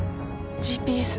ＧＰＳ。